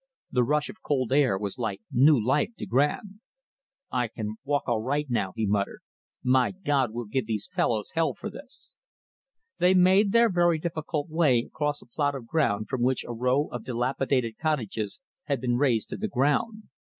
The rush of cold air was like new life to Graham. "I can walk all right now," he muttered. "My God, we'll give these fellows hell for this!" They made their very difficult way across a plot of ground from which a row of dilapidated cottages had been razed to the ground.